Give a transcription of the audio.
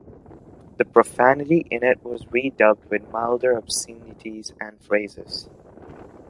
The profanity in it was re-dubbed with milder obscenities and phrases.